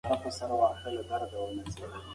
موږ تېره شپه په ګروپ کې ډېرې خبرې وکړې.